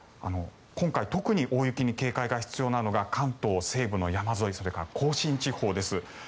今回、特に大雪に警戒が必要なのが関東西部の山沿いそれから甲信地方です。